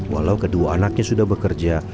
walau kedua anaknya sudah bekerja